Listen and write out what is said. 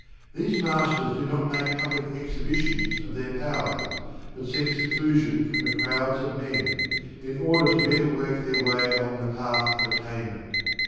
These Masters do not make public exhibitions of their powers, but seek seclusion from the crowds of men, in order to better work their may along the Path of Attainment.